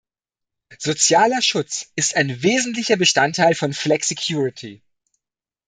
Sozialer Schutz ist ein wesentlicher Bestandteil von Flexicurity.